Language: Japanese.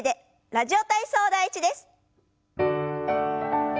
「ラジオ体操第１」です。